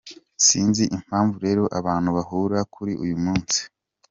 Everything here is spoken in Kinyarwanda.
Sinzi impamvu rero abantu bahurura kuri uyu munsi.